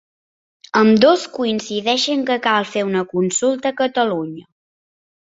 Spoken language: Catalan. Ambdós coincideixen que cal fer una consulta a Catalunya.